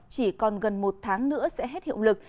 chỉ còn gần một tháng nữa sẽ hết hiệu lực